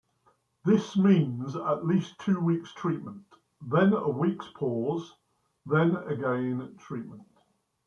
This means at least two weeks treatment, then a weeks pause, then again treatment.